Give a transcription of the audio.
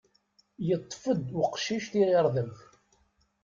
Yeṭṭef-d uqcic tiɣirdemt.